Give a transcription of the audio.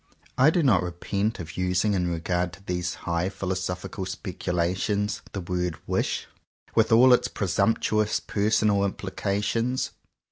I do not repent of using in regard to these high philosophical speculations the word *'wish" with all its presumptuous personal implications.